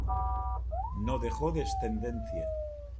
No dejó descendencia.